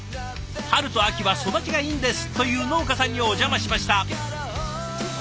「春と秋は育ちがいいんです」という農家さんにお邪魔しました。